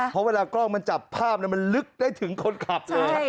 เพราะเวลากล้องมันจับภาพมันลึกได้ถึงคนขับเลย